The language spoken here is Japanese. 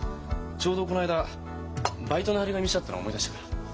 ちょうどこの間バイトの貼り紙してあったの思い出したから。